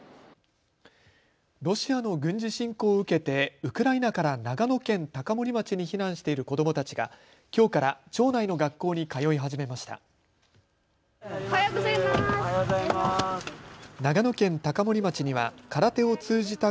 ロシアの軍事侵攻を受けてウクライナから長野県高森町に避難している子どもたちがきょうから町内の学校に通い始めました。